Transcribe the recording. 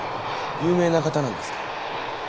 有名な方なんですか？